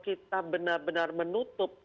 kita benar benar menutup